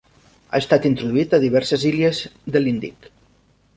Ha estat introduït a diverses illes de l'Índic.